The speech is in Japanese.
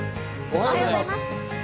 おはようございます。